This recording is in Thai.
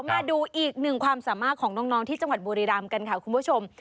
มาดูอีกหนึ่งความสามารถของน้องที่จังหวัดบุรีรำกันค่ะคุณผู้ชม